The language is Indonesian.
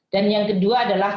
dan yang kedua adalah